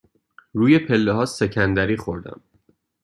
روی پله ها سکندری خوردم.